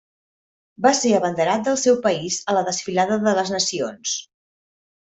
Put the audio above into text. Va ser abanderat del seu país a la desfilada de les nacions.